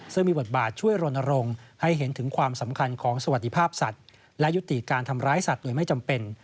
ซึ่งมีบทบาทช่วยรณรงค์ให้เห็นถึงความสำคัญของสวัสดิภาพสัตว์และยุติการทำร้ายสัตว์โดยไม่จำเป็น